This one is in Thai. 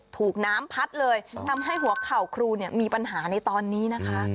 ถูกน้ำพัดเลยทำให้หัวเข่าครูเนี่ยมีปัญหาในตอนนี้นะคะ